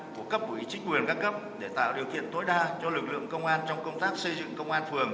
của cấp ủy chính quyền các cấp để tạo điều kiện tối đa cho lực lượng công an trong công tác xây dựng công an phường